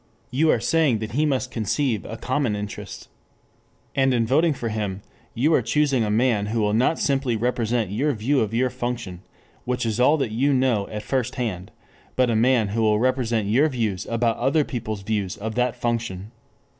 You are saying that he must conceive a common interest. And in voting for him you are choosing a man who will not simply represent your view of your function, which is all that you know at first hand, but a man who will represent your views about other people's views of that function.